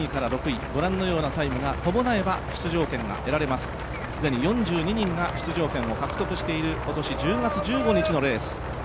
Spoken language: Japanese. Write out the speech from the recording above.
すでに４２人が出場権を獲得している今年１０月１５日のレース。